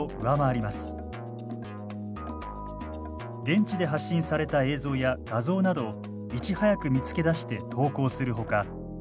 現地で発信された映像や画像などをいち早く見つけ出して投稿するほか。